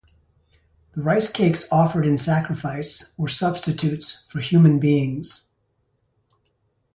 The rice-cakes offered in sacrifice were substitutes for human beings.